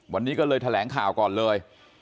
วันนี้ก็เลยแถลงข่าวก่อนเลย